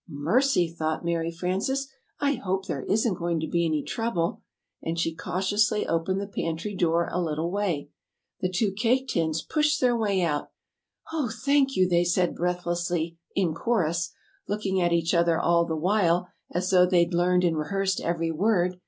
"Mercy!" thought Mary Frances, "I hope there isn't going to be any trouble." And she cautiously opened the pantry door a little way. The two Cake Tins pushed their way out. [Illustration: The two Cake Tins.] "Oh, thank you!" they said, breathlessly, in chorus (looking at each other all the while as though they'd learned and rehearsed every word).